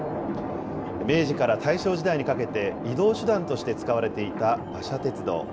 明治から大正時代にかけて移動手段として使われていた馬車鉄道。